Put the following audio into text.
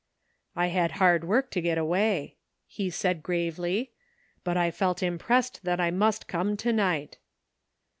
"I had hard work to get away," he said gravely ;'' but I felt impressed that I must come to night."